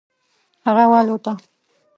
هغه والوته.